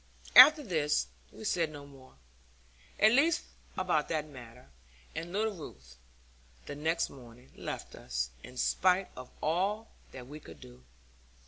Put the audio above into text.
After this, we said no more, at least about that matter; and little Ruth, the next morning, left us, in spite of all that we could do.